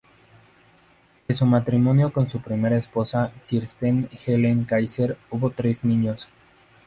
De su matrimonio con su primera esposa, Kirsten Helene Kaiser, hubo tres niños.